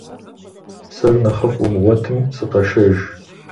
Сэр нэхъыфI умыгъуэтым, сыкъэшэж.